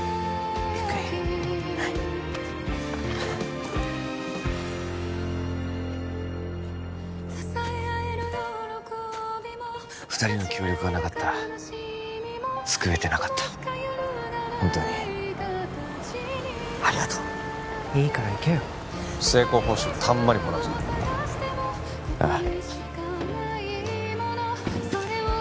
ゆっくりはい二人の協力がなかったら救えてなかったホントにありがとういいから行けよ成功報酬たんまりもらうぞああ